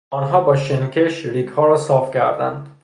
آنها با شن کش ریگها راصاف کردند.